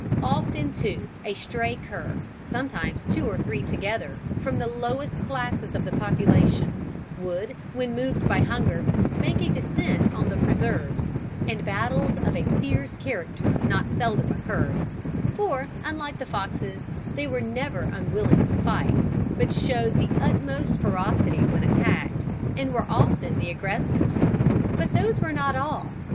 Often, too, a stray cur, sometimes two or three together, from the lowest classes of the population, would, when moved by hunger, make a descent on the preserves, and battles of a fierce character not seldom occurred, for, unlike the foxes, they were never unwilling to fight, but showed the utmost ferocity when attacked, and were often the aggressors. But those were not all.